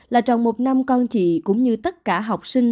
là tròn một năm con chị cũng như tất cả học sinh